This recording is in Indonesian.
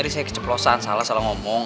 tadi saya keceplosan salah salah ngomong